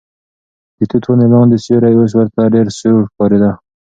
د توت ونې لاندې سیوری اوس ورته ډېر سوړ ښکارېده.